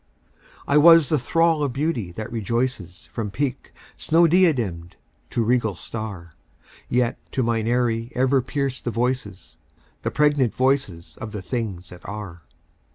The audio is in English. I was the thrall of Beauty that rejoices From peak snow diademed to regal star; Yet to mine aerie ever pierced the voices, The pregnant voices of the Things That Are.